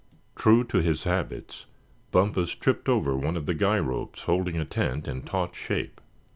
True to his habits, Bumpus tripped over one of the guy ropes holding a tent in taut shape.